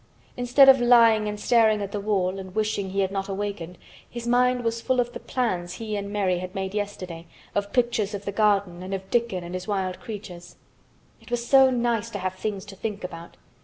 Instead of lying and staring at the wall and wishing he had not awakened, his mind was full of the plans he and Mary had made yesterday, of pictures of the garden and of Dickon and his wild creatures. It was so nice to have things to think about.